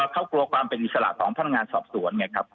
เขากลัวความเป็นอิสระของพนักงานสอบสวนไงครับ